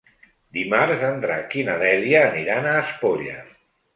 Dimarts en Drac i na Dèlia aniran a Espolla.